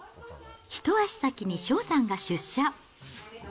一足先に翔さんが出社。